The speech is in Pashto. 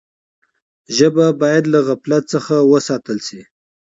ژبه باید له غفلت څخه وساتل سي.